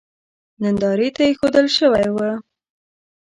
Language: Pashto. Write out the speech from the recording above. نندارې ته اېښودل شوی و.